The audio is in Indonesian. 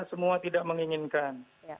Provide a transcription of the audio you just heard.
semua tidak menginginkan